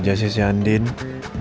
enggak usah rai tersendiri ya